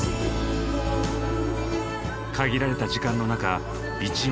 限られた時間の中一音